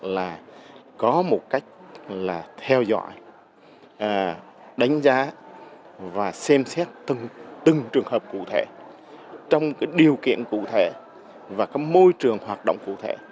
là có một cách là theo dõi đánh giá và xem xét từng trường hợp cụ thể trong cái điều kiện cụ thể và cái môi trường hoạt động cụ thể